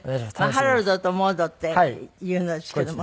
『ハロルドとモード』っていうのですけども。